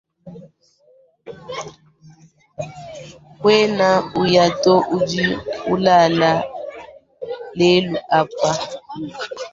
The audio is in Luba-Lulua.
Kuena uya to udi ulala lelu apa.